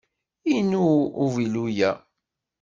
Inu uvilu-a.